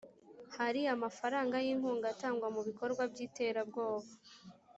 hari amafaranga y’inkunga atangwa mu bikorwa by’iterabwoba